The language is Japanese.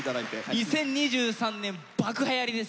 ２０２３年爆はやりです。